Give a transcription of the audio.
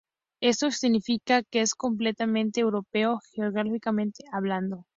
Esto significa que es completamente europeo geográficamente hablando.